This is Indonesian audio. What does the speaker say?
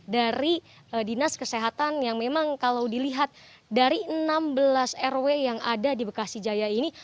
dari dinas kesehatan yang memang kalau dilihat dari enam belas rw yang ada di bekasi jaya ini